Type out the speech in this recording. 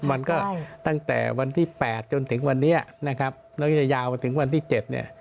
มันก็ตั้งแต่วันที่๘จนถึงวันนี้แล้วจะยาวก็ถึงวันที่๗